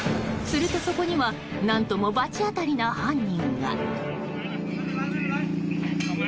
すると、そこには何とも罰当たりな犯人が。